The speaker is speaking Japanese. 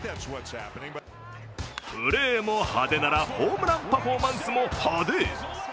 プレーも派手ならホームランパフォーマンスも派手。